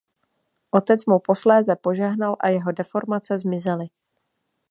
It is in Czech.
Otec mu posléze požehnal a jeho deformace zmizely.